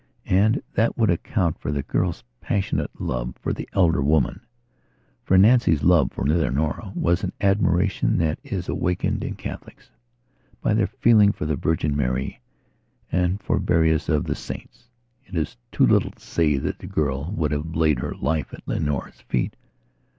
And that would account for the girl's passionate love for the elder woman. For Nancy's love for Leonora was an admiration that is awakened in Catholics by their feeling for the Virgin Mary and for various of the saints. It is too little to say that the girl would have laid her life at Leonora's feet.